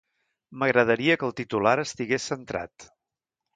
M'agradaria que el titular estigués centrat.